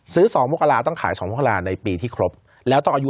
๒มกราต้องขาย๒มกราในปีที่ครบแล้วต้องอายุ